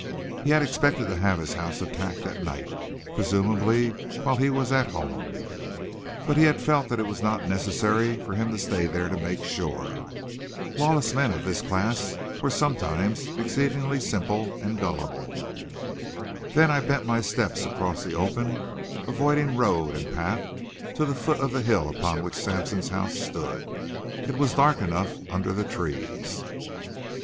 He had expected to have his house attacked at night, presumably while he was at home; but he had felt that it was not necessary for him to stay there to make sure. Lawless men of this class were sometimes exceedingly simple and gullible. Then I bent my steps across the open, avoiding road and path, to the foot of the hill upon which Sampson's house stood. It was dark enough under the trees.